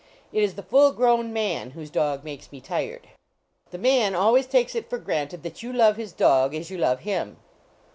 It is the full grown man whose dog makes me tired. The man always takes it for granted that you love his dog as you love him.